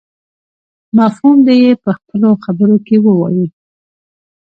مفهوم دې يې په خپلو خبرو کې ووايي.